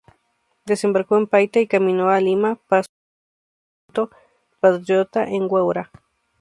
Desembarcó en Paita y camino a Lima pasó por el campamento patriota en Huaura.